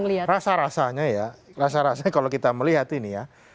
rasa rasanya ya rasa rasanya kalau kita melihat ini ya